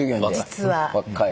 若い。